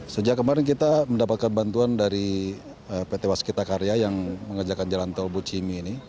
sejak kemarin kita mendapatkan bantuan dari pt waskita karya yang mengerjakan jalan tol bucimi ini